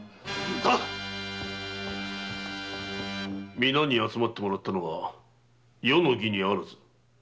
皆に集まってもらったのは余の儀に非ず。